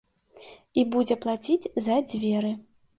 І будзе плаціць за дзверы.